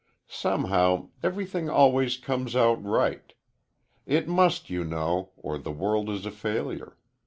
Somehow, everything always comes out right. It must, you know, or the world is a failure.